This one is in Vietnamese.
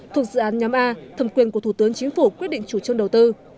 thuộc dự án nhóm a thẩm quyền của thủ tướng chính phủ quyết định chủ trương đầu tư